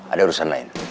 ada urusan lain